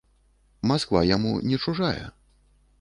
Масква яму не чужая.